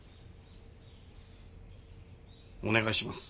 お願いします